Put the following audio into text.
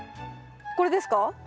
これですか？